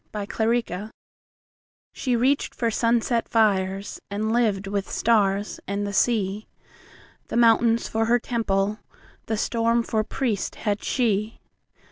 The Storm SHE reached for sunset fires, And lived with stars and the sea, The mountains for her temple, The storm for priest had she.